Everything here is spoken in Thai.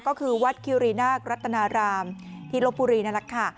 ก็คือวัดคิวรีนากรัตนารามที่ลบบุรีนั่นแหละค่ะ